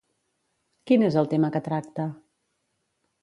Quin és el tema que tracta?